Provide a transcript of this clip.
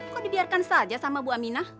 kok dibiarkan saja sama bu aminah